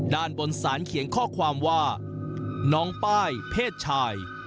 ด้านบนสารเขียนข้อความว่าน้องป้ายเพศชาย